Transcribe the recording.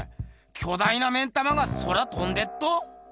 巨大な目ん玉が空とんでっと。